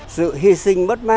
sự hy sinh bất ma